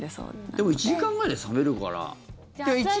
でも１時間くらいで冷めるから。